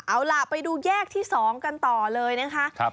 เอาล่ะไปดูแยกที่๒กันต่อเลยนะคะ